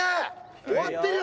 終わってるよ！